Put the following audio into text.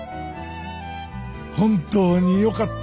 本当によかった